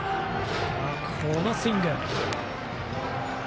このスイング。